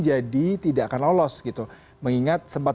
jadi tidak akan lolos gitu mengingat sempat